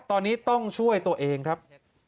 ตอนนี้ต้องช่วยตัวเองครับ